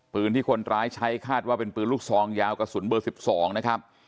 ปืนที่คนร้ายใช้คาดว่าเป็นปืนลูกซองยาวกระสุนเบอร์๑๒นะครับ